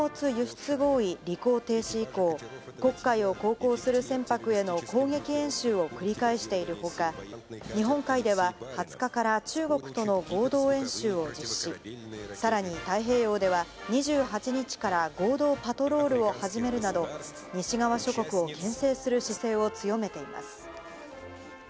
ロシア海軍は今月１８日の穀物輸出合意履行停止以降、黒海を航行する船舶への攻撃演習を繰り返している他、日本海では２０日から中国との合同演習を実施、さらに太平洋では２８日から合同パトロールを始めるなど、西側諸国をけん制する姿勢を強めています。